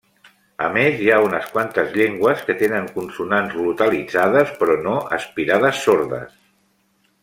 A més, hi ha unes quantes llengües que tenen consonants glotalitzades però no aspirades sordes.